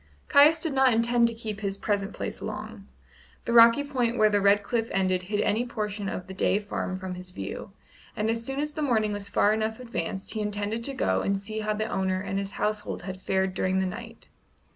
Caius did not intend to keep his present place long. The rocky point where the red cliff ended hid any portion of the Day farm from his view, and as soon as the morning was far enough advanced he intended to go and see how the owner and his household had fared during the night.